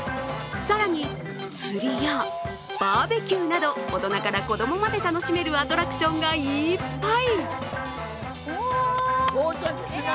更に釣りやバーベキューなど大人から子供まで楽しめるアトラクションがいっぱい。